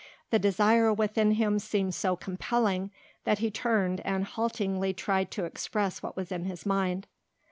The desire within him seemed so compelling that he turned and haltingly tried to express what was in his mind.